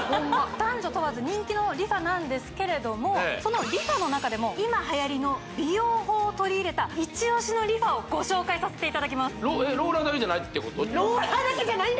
男女問わず人気のＲｅＦａなんですけれどもそのＲｅＦａの中でも今はやりの美容法を取り入れたイチオシのＲｅＦａをご紹介させていただきますローラーだけじゃないってこと？